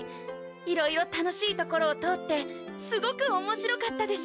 いろいろ楽しい所を通ってすごくおもしろかったです。